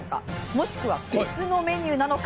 もしくは別のメニューなのか？